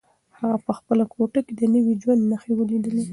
هغه په خپله کوټه کې د نوي ژوند نښې ولیدلې.